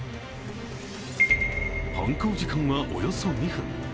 犯行時間はおよそ２分。